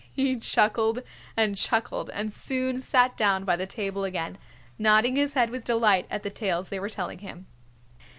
He chuckled and chuckled and soon sat down by the table again, nodding his head with delight at the tales they were telling him.